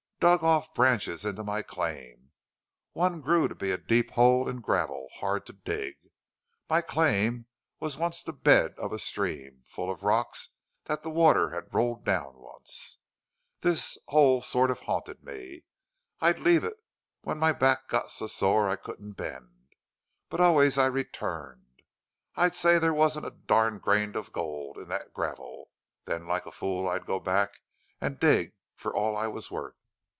Dug off branches into my claim. One grew to be a deep hole in gravel, hard to dig. My claim was once the bed of a stream, full of rocks that the water had rolled down once. This hole sort of haunted me. I'd leave it when my back got so sore I couldn't bend, but always I'd return. I'd say there wasn't a darned grain of gold in that gravel; then like a fool I'd go back and dig for all I was worth.